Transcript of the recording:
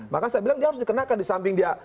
maka saya bilang dia harus dikenakan di samping dia